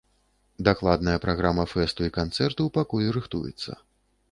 Дакладная праграма фэсту і канцэрту пакуль рыхтуецца.